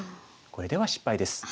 これでは失敗です。